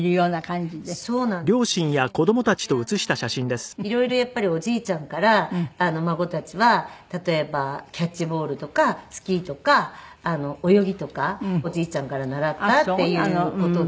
で色々やっぱりおじいちゃんから孫たちは例えばキャッチボールとかスキーとか泳ぎとかおじいちゃんから習ったっていう事で。